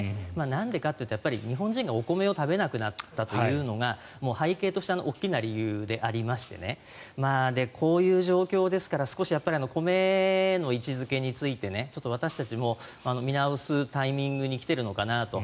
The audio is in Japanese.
なんでかというと、日本人がお米を食べなくなったというのが背景として大きな理由でありましてこういう状況ですから少し米の位置付けについて私たちも見直すタイミングに来ているのかなと。